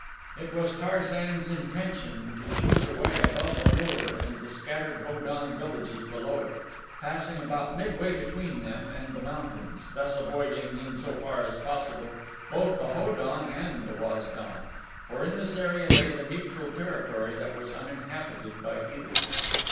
It was Tarzan's intention to choose a way above A lur and the scattered Ho don villages below it, passing about midway between them and the mountains, thus avoiding, in so far as possible, both the Ho don and Waz don, for in this area lay the neutral territory that was uninhabited by either.